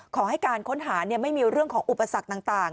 ขอให้การค้นหาไม่มีเรื่องของอุปสรรคต่าง